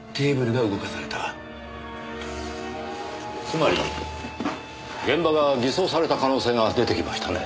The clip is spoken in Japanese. つまり現場が偽装された可能性が出てきましたね。